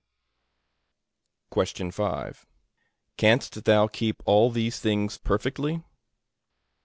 A.